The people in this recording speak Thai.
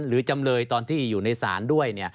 จำเลยตอนที่อยู่ในศาลด้วย